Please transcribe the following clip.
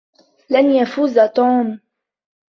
لن يفوز توم.